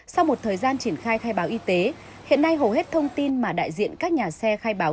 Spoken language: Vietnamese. sau một thời gian triển khai khai báo y tế hiện nay hầu hết thông tin mà đại diện các nhà xe khai báo